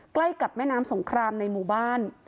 ใกล้กับแม่น้ำสงครามในหมู่บ้าน